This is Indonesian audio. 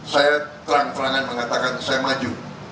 saya terang terangan mengatakan saya maju